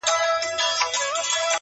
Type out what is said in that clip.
• پر ګرېوانه دانه دانه شمېرلې -